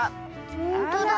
ほんとだ。